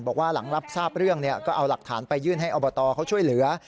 บอกว่าหลังรับทราบเรื่องก็เอาหลักฐานไปยื่นให้อบตเขาช่วยเหลือ